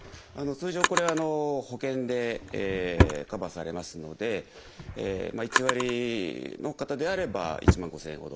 通常これは保険でカバーされますので１割の方であれば１万５，０００円ほど。